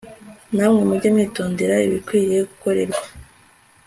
namwe mujye mwitondera ibikwiriye gukorerwa